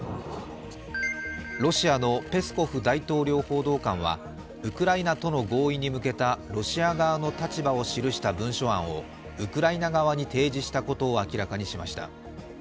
ロシアのペスコフ大統領報道官はウクライナとの合意に向けたロシア側の立場を記した文書案をウクライナ側に提示したことを明らかにしました。